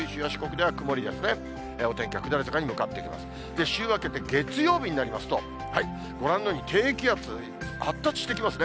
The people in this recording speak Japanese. で、週明けて月曜日になりますと、ご覧のように低気圧、発達してきますね。